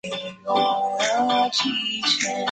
他也撤退了。